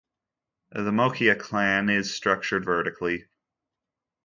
The Moccia clan is structured vertically.